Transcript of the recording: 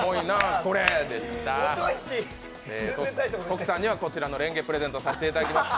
トキさんにはこちらのレンゲプレゼントさせていただきます。